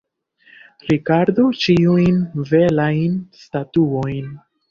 Rigardu ĉiujn belajn statuojn.